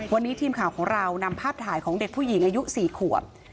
วันนี้ทีมข่าวของเรานำภาพถ่ายของเด็กผู้หญิงอายุ๔ขวบ